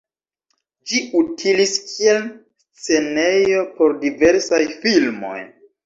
Ĝi utilis kiel scenejo por diversaj filmoj.